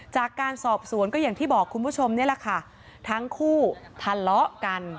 จากการสอบสวนก็อย่างที่บอกคุณผู้ชมนี่แหละค่ะทั้งคู่ทะเลาะกัน